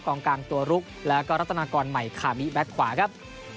กลางตัวลุกแล้วก็รัตนากรใหม่คามิแก๊กขวาครับ